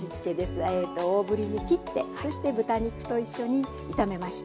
大ぶりに切ってそして豚肉と一緒に炒めました。